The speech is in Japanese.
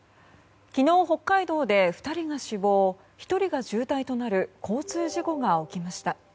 昨日、北海道で２人が死亡１人が重体となる交通事故が起きました。